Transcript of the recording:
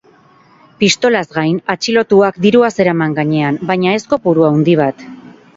Pistolaz gain, atxilotuak dirua zeraman gainean, baina ez kopuru handi bat.